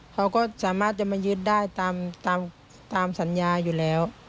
เขาก็สามารถจะมายึดได้ตามสัญญาอยู่แล้ว